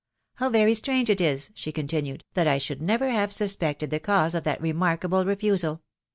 How very strange it is," she continued, " that I should never have suspected the cause of that remarkable refusal